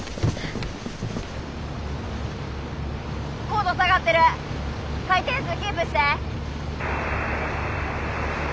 高度下がってる回転数キープして。